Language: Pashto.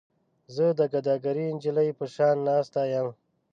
زه د ګداګرې نجلۍ په شان ناسته یم.